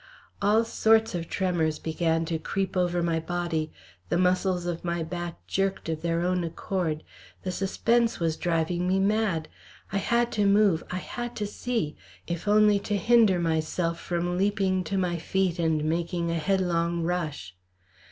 All sorts of tremors began to creep over my body; the muscles of my back jerked of their own accord. The suspense was driving me mad. I had to move, I had to see, if only to hinder myself from leaping to my feet and making a headlong rush.